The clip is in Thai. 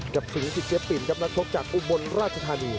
กับสิงห์ที่เสียปินกับนักชกจากอุบลราชธานี